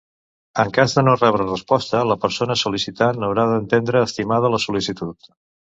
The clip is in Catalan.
En cas de no rebre resposta, la persona sol·licitant haurà d'entendre estimada la sol·licitud.